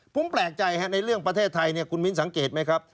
ผมแปลกใจในเรื่องประเทศไทยเนี่ยคุณมิ้นสังเกตไหมครับ